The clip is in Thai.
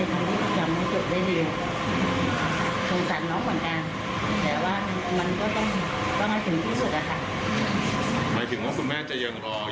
ต้องมีเหตุให้เกิดขึ้นเพราะแม่เชื่อว่าน้องไม่ได้เป็นเองไม่ได้ทำเอง